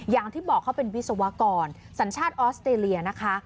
อย่างที่บอกเขาเป็นวิศวกรสัญชาติออสเตรเลียนะคะ